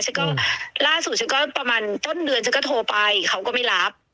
ฉันก็ล่าสุดฉันก็ประมาณต้นเดือนฉันก็โทรไปเขาก็ไม่รับ